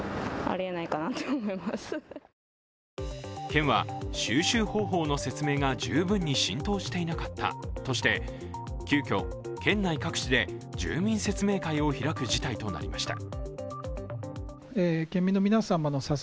県は収集方法の説明が十分に浸透していなかったとして急きょ県内各地で住民説明会を開く事態となりました。